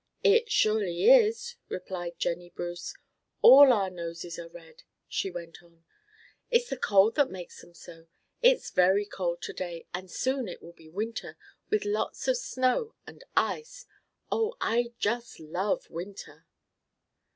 "It surely is!" replied Jennie Bruce. "All our noses are red!" she went on. "It's the cold that makes 'em so. It's very cold to day, and soon it will be winter, with lots of snow and ice! Oh! I just love winter!"